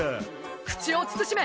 口を慎め！